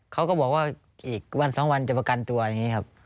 เขาก็บอกว่าอีกวันสองวันจะประกันตัวอย่างนี้ครับ